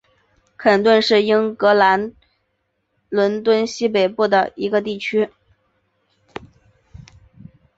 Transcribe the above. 肯顿是英格兰伦敦西北部的一个地区。